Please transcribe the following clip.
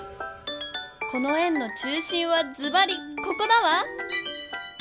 この円の中心はズバリここだわ！